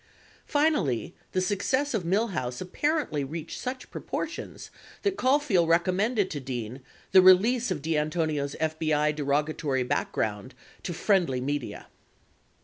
97 Finally, the success of "Millhouse" apparently reached such proportions that Caulfield recommended to Dean the "release of DeAntonio's FBI derogatory background to friendly media."